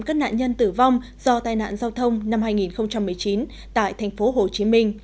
các nạn nhân tử vong do tai nạn giao thông năm hai nghìn một mươi chín tại tp hcm